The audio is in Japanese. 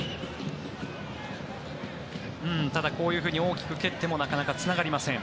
ただ、こういうふうに大きく蹴ってもなかなかつながりません。